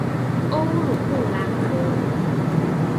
欧鲁布兰科是巴西米纳斯吉拉斯州的一个市镇。